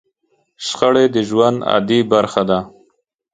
شخړې د ژوند عادي برخه ده.